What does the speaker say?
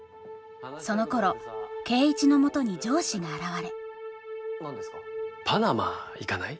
そのころ圭一のもとに上司が現れパナマ行かない？